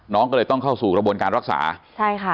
น้องก็เลยต้องเข้าสู่กระบวนการรักษาใช่ค่ะ